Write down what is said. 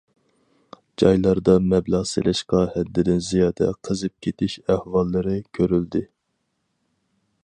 جايلاردا مەبلەغ سېلىشقا ھەددىدىن زىيادە قىزىپ كېتىش ئەھۋاللىرى كۆرۈلدى.